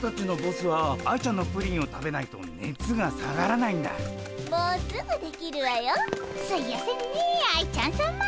すいやせんねえ愛ちゃんさま。